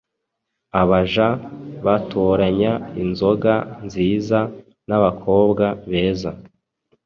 Abaja batoranya inzoga nziza n’abakobwa beza